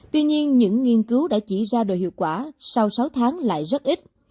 tuy nhiên những nghiên cứu đã chỉ ra đồ hiệu quả sau sáu tháng lại rất ít